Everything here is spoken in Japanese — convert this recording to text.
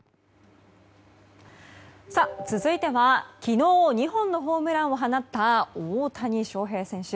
続いては昨日、２本のホームランを放った大谷翔平選手。